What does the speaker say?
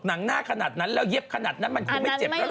หนังหน้าขนาดนั้นแล้วเย็บขนาดนั้นมันคงไม่เจ็บแล้วล่ะ